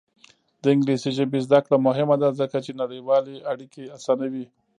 د انګلیسي ژبې زده کړه مهمه ده ځکه چې نړیوالې اړیکې اسانوي.